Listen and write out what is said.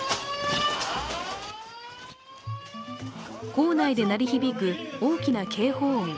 校内で鳴り響く大きな警報音。